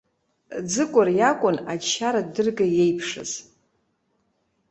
Ӡыкәыр иакәын аџьшьаратә дырга иеиԥшыз.